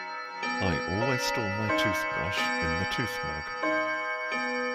I always store my toothbrush in the toothmug.